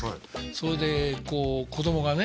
それでこう子供がね